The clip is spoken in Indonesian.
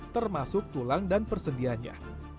termasuk tulang dan persendiannya